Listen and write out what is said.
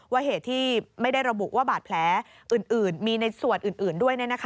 เหตุที่ไม่ได้ระบุว่าบาดแผลอื่นมีในส่วนอื่นด้วย